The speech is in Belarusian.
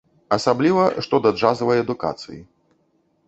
Асабліва, што да джазавай адукацыі.